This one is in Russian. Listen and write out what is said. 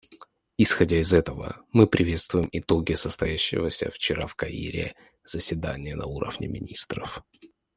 Исходя из этого, мы приветствуем итоги состоявшегося вчера в Каире заседания на уровне министров.